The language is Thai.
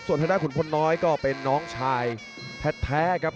ส่วนทางด้านขุนพลน้อยก็เป็นน้องชายแท้ครับ